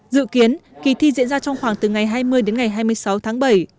dự kiến kỳ thi diễn ra trong khoảng từ ngày hai mươi đến ngày hai mươi sáu tháng bảy